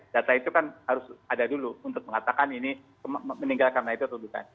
data itu kan harus ada dulu untuk mengatakan ini meninggal karena itu atau bukan